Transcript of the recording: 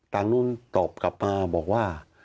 ทางนู้นตอบกลับมาบอกว่า